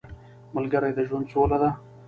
ملګری د ژوند سوله ده